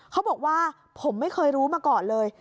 เขาบอกว่าผมไม่เคยรู้มาก่อนเลย